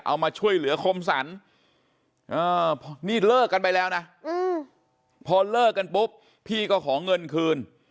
เอามาช่วยเหลือคมสรรนี่เลิกกันไปแล้วนะพอเลิกกันปุ๊บพี่ก็ขอเงินคืน